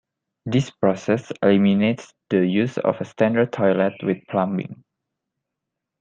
This process eliminates the use of a standard toilet with plumbing.